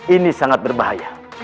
ini sangat berbahaya